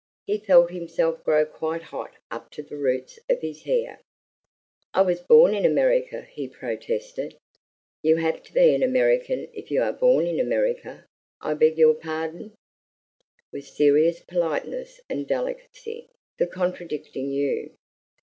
He felt himself grow quite hot up to the roots of his hair. "I was born in America," he protested. "You have to be an American if you are born in America. I beg your pardon," with serious politeness and delicacy, "for contradicting you.